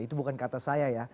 itu bukan kata sayaju